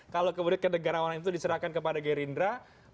kalau kemudian kedegarawanan itu diserahkan kepada gerindra